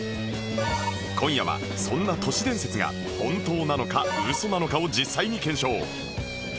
今夜はそんな都市伝説が本当なのか嘘なのかを実際に検証